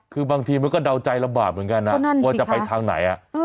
คือบางทีมันก็เดาใจลำบากเหมือนกันนะว่าจะไปทางไหน